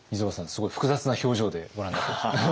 すごい複雑な表情でご覧になってましたね。